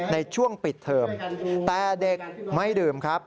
ในช่วงปิดเทอมแต่เด็กไม่ดื่มครับ